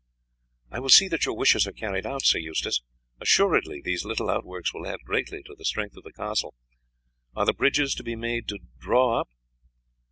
"I will see that your wishes are carried out, Sir Eustace; assuredly these little outworks will add greatly to the strength of the castle. Are the bridges to be made to draw up?"